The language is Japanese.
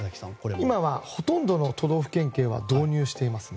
今は、ほとんどの都道府県警は導入していますね。